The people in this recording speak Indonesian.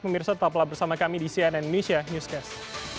memirsa taplah bersama kami di cnn indonesia newscast